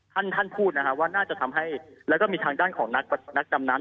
ท่านท่านพูดนะฮะว่าน่าจะทำให้แล้วก็มีทางด้านของนักดำน้ำ